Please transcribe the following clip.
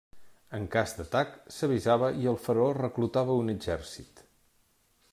En cas d'atac, s'avisava i el faraó reclutava un exèrcit.